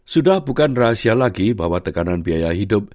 sudah bukan rahasia lagi bahwa tekanan biaya hidup